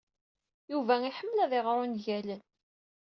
Yuba iḥemmel ad iɣer ungalen.